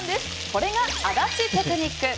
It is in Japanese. これが足立テクニック。